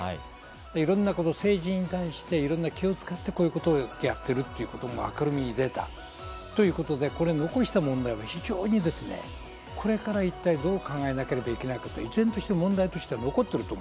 いろんなこと、政治に対して気を使って、こういうことをやっているということも明るみに出たということで、残した問題、非常にこれから一体どう考えなければいけないのか、依然として問題として残っている。